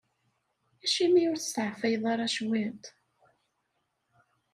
Acimi ur testeɛfayeḍ ara cwiṭ?